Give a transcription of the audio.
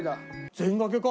全賭けか。